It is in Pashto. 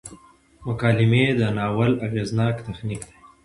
مکالمې د ناول اغیزناک تخنیک دی.